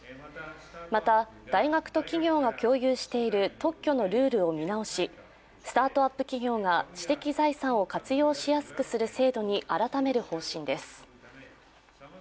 また、大学と企業が共有している特許のルールを見直しスタートアップ企業が知的財産を活用しやすくする制度に改める方針です。